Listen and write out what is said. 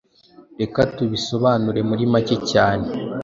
reka tubisobanure muri make cyane.